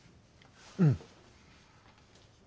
うん。